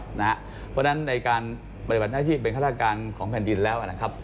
เพราะฉะนั้นในการปฏิบัติหน้าที่เป็นฆาตการของแผ่นดินแล้วนะครับ